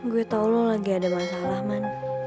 gue tau lo lagi ada masalah man